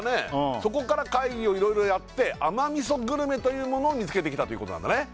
そこから会議をいろいろやって甘味噌グルメというものを見つけてきたということなんだね